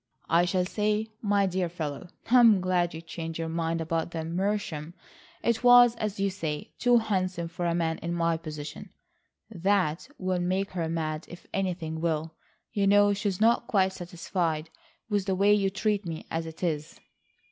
"I shall say, 'My dear fellow, I'm glad you changed your mind about the meerschaum; it was as you say, too handsome for a man in my position.' That will make her mad if anything will. You know she is not quite satisfied with the way you treat me, as it is."